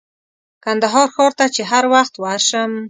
کندهار ښار ته چې هر وخت ورشم.